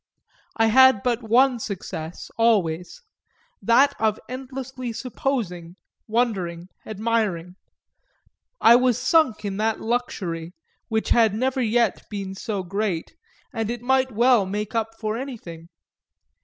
I had but one success, always that of endlessly supposing, wondering, admiring: I was sunk in that luxury, which had never yet been so great, and it might well make up for anything.